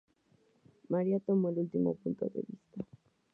María tomó el último punto de vista.